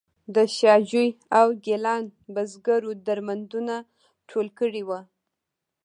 د شاه جوی او ګیلان بزګرو درمندونه ټول کړي وو.